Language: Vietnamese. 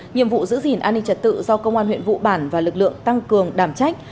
nhiệm vụ giữ gìn an ninh trật tự do công an huyện vụ bản và lực lượng tăng cường đảm trách